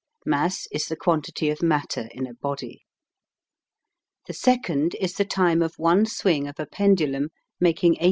Mass is the quantity of matter in a body. The Second is the time of one swing of a pendulum making 86,164.